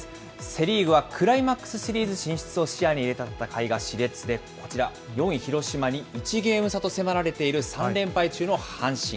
セ・リーグはクライマックスシリーズ進出を視野に入れた戦いがしれつで、こちら、４位広島に１ゲーム差と迫られている３連敗中の阪神。